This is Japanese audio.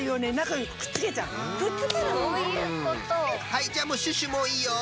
はいじゃあもうシュッシュもういいよ。